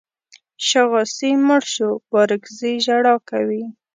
شاغاسي مړ شو بارکزي ژړا کوي.